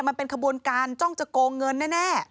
มันเป็นขบวนการจ้องจะโกงเงินแน่